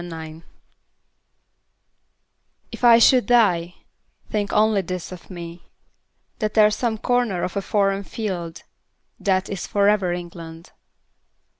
The Soldier If I should die, think only this of me: That there's some corner of a foreign field That is for ever England.